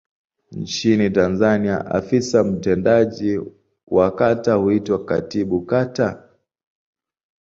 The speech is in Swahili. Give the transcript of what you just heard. Nchini Tanzania afisa mtendaji wa kata huitwa Katibu Kata.